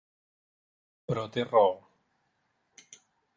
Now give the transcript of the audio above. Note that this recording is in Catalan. Però té raó.